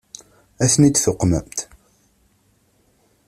Ad ten-id-tuqmemt?